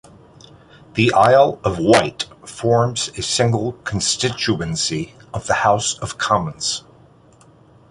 The Isle of Wight forms a single constituency of the House of Commons.